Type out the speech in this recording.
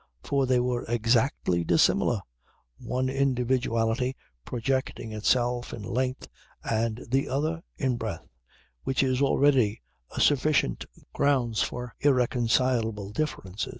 For they were exactly dissimilar one individuality projecting itself in length and the other in breadth, which is already a sufficient ground for irreconcilable difference.